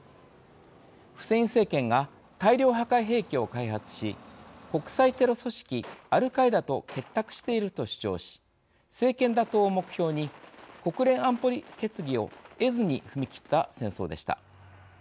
フセイン政権が大量破壊兵器を開発し国際テロ組織アルカイダと結託していると主張し政権打倒を目標に国連安保理決議を経ずに踏み切った戦争でした。